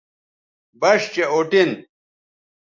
بَݜ چہء اُٹین